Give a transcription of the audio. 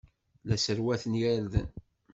La sserwaten irden.